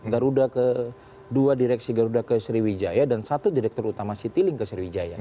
garuda ke dua direksi garuda ke sriwijaya dan satu direktur utama citylink ke sriwijaya